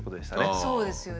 そうですよね。